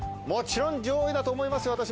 もちろん上位だと思いますよ